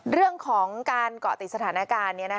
เรื่องของการเกาะติดสถานการณ์